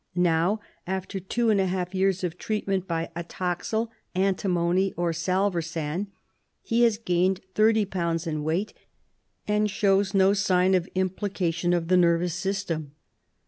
Now, after two and a half years' treatment by atoxyl, antimony, or salvarsan, he has gained thirty pounds in weight, "and shows no sign of implication of the nervous system."